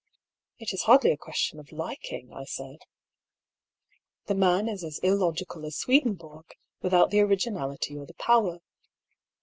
" It is hardly a question of liking," I said. " The man is as illogical as Swedenborg, without the original ity or the power."